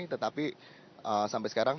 tetapi sampai sekarang